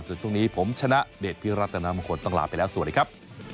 ส่วนช่วงนี้ผมชนะเดชพิรัตนามงคลต้องลาไปแล้วสวัสดีครับ